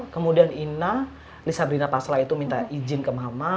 kemudian ina lisabrina pasla itu minta izin ke mama